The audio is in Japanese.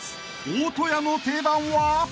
［大戸屋の定番は？］